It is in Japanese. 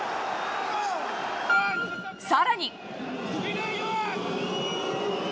さらに。